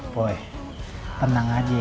poi tenang aja